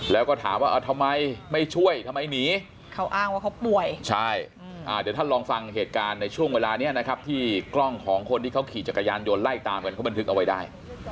แล้วก็ถามว่าทำไมไม่ช่วยทำไมหนีเขาอ้างว่าเขาป่วยใช่เดี๋ยวท่านลองฟังเหตุการณ์ในช่วงเวลานี้นะครับที่กล้องของคนที่เขาขี่จักรยานยนต์ไล่ตามกันเขาบันทึกเอาไว้ได้